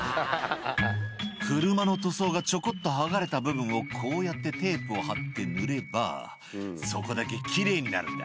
「車の塗装がちょこっと剥がれた部分をこうやってテープを貼って塗ればそこだけ奇麗になるんだ」